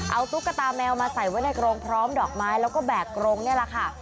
เอาตุ๊กตาแมวมาใส่ไว้ในกรงพร้อมดอกไม้แล้วก็แบกกรงนี่แหละค่ะ